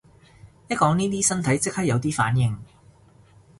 一講呢啲身體即刻有啲反應